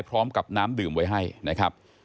พร้อมกับน้ำดื่มไว้ให้นะครับ